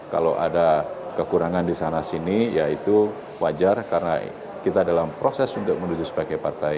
kalau ada kekurangan di sana sini ya itu wajar karena kita dalam proses untuk menuju sebagai partai